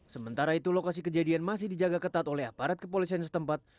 sementara itu lokasi kejadian masih dijaga ketat oleh aparat kepolisian setempat